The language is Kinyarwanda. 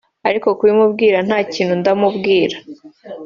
ariko kubimubwira ntakintu ndamubwira